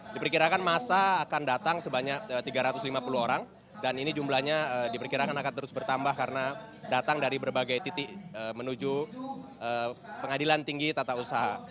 diperkirakan masa akan datang sebanyak tiga ratus lima puluh orang dan ini jumlahnya diperkirakan akan terus bertambah karena datang dari berbagai titik menuju pengadilan tinggi tata usaha